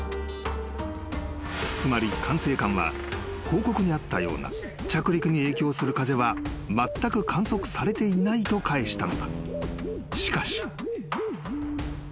［つまり管制官は報告にあったような着陸に影響する風はまったく観測されていないと返したのだ］